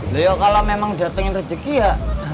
lho kalo memang datengin rezeki ya